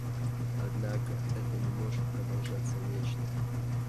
Однако это не может продолжаться вечно.